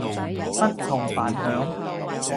不同凡響